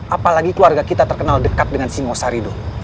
apalagi keluarga kita terkenal dekat dengan singosari dong